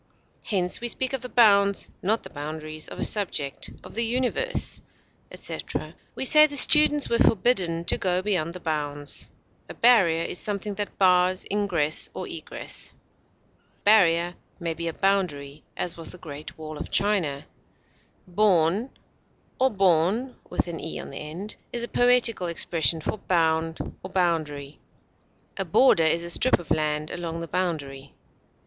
Hence we speak of the bounds, not the boundaries, of a subject, of the universe, etc.; we say the students were forbidden to go beyond the bounds. A barrier is something that bars ingress or egress. A barrier may be a boundary, as was the Great Wall of China. Bourn, or bourne, is a poetical expression for bound or boundary. A border is a strip of land along the boundary.